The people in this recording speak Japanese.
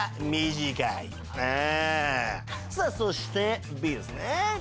さあそしてＢですね。